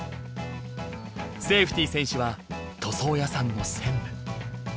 セーフティ選手は塗装屋さんの専務。